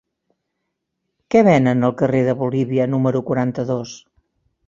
Què venen al carrer de Bolívia número quaranta-dos?